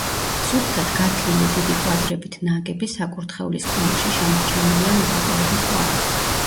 სუფთად გათლილი დიდი კვადრებით ნაგები, საკურთხევლის კონქში შემორჩენილია მოხატულობის კვალი.